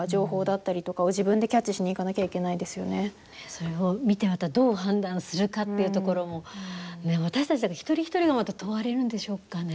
それを見て、またどう判断するかっていうところも私たち一人一人がまた問われるんでしょうかね。